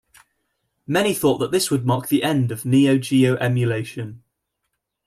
Many thought that this would mark the end of Neo Geo emulation.